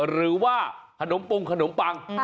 หรือว่าขนมปงขนมปัง